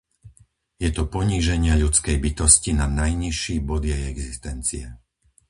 Je to poníženie ľudskej bytosti na najnižší bod jej existencie.